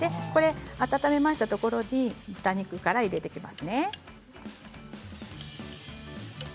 温めましたところに豚肉から入れていきますね。